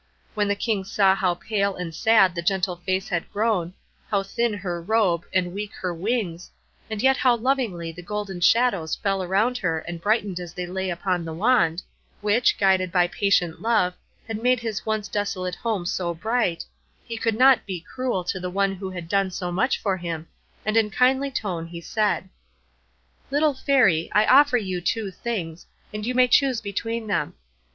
When the King saw how pale and sad the gentle face had grown, how thin her robe, and weak her wings, and yet how lovingly the golden shadows fell around her and brightened as they lay upon the wand, which, guided by patient love, had made his once desolate home so bright, he could not be cruel to the one who had done so much for him, and in kindly tone he said,— "Little Fairy, I offer you two things, and you may choose between them.